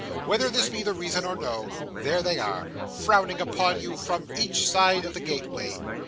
Whether this be the reason or not, there they are, frowning upon you from each side of the gateway.